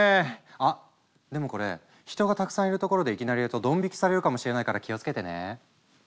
あっでもこれ人がたくさんいる所でいきなりやるとドン引きされるかもしれないから気をつけてね。